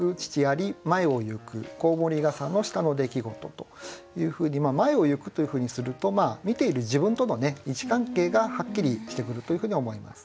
というふうに「前を行く」というふうにすると見ている自分との位置関係がはっきりしてくるというふうに思います。